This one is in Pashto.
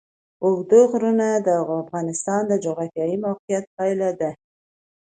اوږده غرونه د افغانستان د جغرافیایي موقیعت پایله ده.